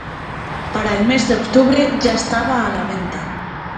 Para el mes de octubre ya estaba a la venta.